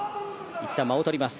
いったん間を取ります。